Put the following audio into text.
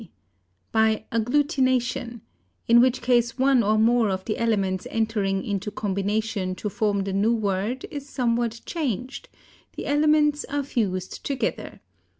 _ By agglutination, in which case one or more of the elements entering into combination to form the new word is somewhat changed the elements are fused together.